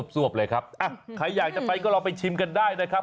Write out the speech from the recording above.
วบเลยครับใครอยากจะไปก็ลองไปชิมกันได้นะครับ